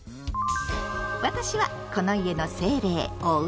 私はこの家の精霊「おうち」。